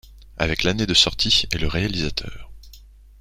Avec l'année de sortie et le réalisateur.